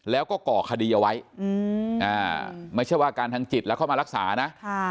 แล้วก็ก่อคดีเอาไว้ไม่ใช่ว่าอาการทางจิตแล้วเข้ามารักษานะ